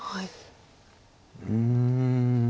うん。